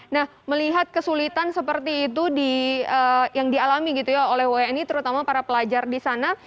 nah melihat kesulitan seperti itu yang dialami gitu ya oleh wni terutama para pelajar di sana